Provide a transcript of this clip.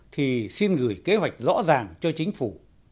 thì xin gửi kế hoạch rõ ràng cho chính phủ